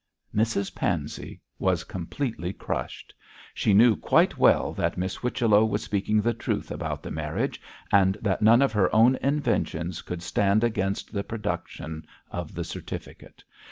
Mrs Pansey was completely crushed. She knew quite well that Miss Whichello was speaking the truth about the marriage, and that none of her own inventions could stand against the production of the certificate.